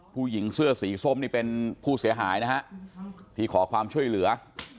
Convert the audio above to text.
ผู้หญิงเสื้อสีส้มนี่เป็นผู้เสียหายนะฮะที่ขอความช่วยเหลือ